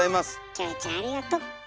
キョエちゃんありがと。